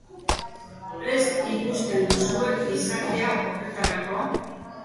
Prest ikusten duzue gizartea horretarako?